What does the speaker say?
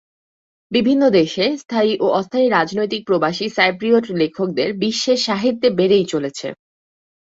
বিভিন্ন দেশে স্থায়ী ও অস্থায়ী রাজনৈতিক প্রবাসী সাইপ্রিয়ট লেখকদের বিশ্বে সাহিত্যে বেড়েই চলেছে।